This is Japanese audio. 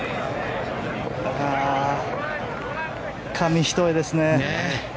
紙一重ですね。